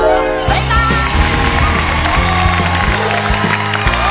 ชิ้นจังอายุ๕ควบครับ